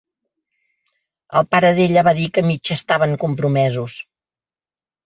El pare d'ella va dir que mig estaven compromesos.